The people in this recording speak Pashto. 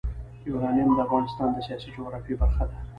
یورانیم د افغانستان د سیاسي جغرافیه برخه ده.